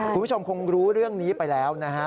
คุณผู้ชมคงรู้เรื่องนี้ไปแล้วนะฮะ